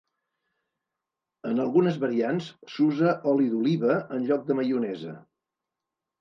En algunes variants s'usa oli d'oliva en lloc de maionesa.